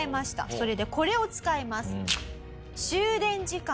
それでこれを使います。